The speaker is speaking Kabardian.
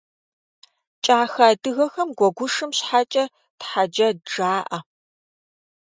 Кӏахэ адыгэхэм гуэгушым щхьэкӏэ тхьэджэд жаӏэ.